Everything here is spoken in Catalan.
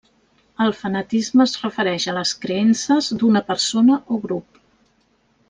El fanatisme es refereix a les creences d'una persona o grup.